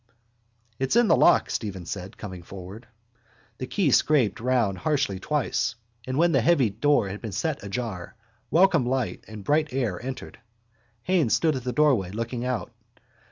—It's in the lock, Stephen said, coming forward. The key scraped round harshly twice and, when the heavy door had been set ajar, welcome light and bright air entered. Haines stood at the doorway, looking out.